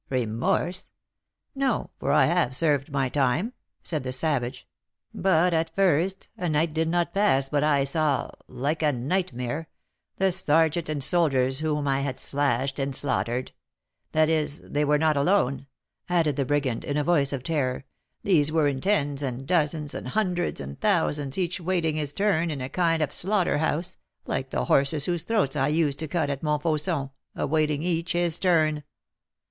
"Remorse? No; for I have served my time," said the savage; "but at first, a night did not pass but I saw like a nightmare the sergeant and soldiers whom I had slashed and slaughtered; that is, they were not alone," added the brigand, in a voice of terror; "these were in tens, and dozens, and hundreds, and thousands, each waiting his turn, in a kind of slaughter house, like the horses whose throats I used to cut at Montfauçon, awaiting each his turn.